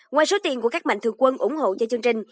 ngoài số tiền của các mạnh thường quân ủng hộ cho chương trình